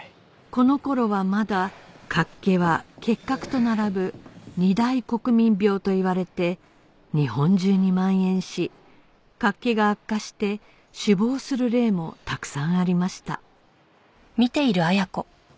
この頃はまだ脚気は結核と並ぶ二大国民病といわれて日本中に蔓延し脚気が悪化して死亡する例もたくさんありました